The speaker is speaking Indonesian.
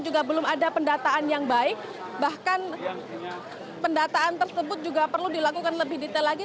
juga belum ada pendataan yang baik bahkan pendataan tersebut juga perlu dilakukan lebih detail lagi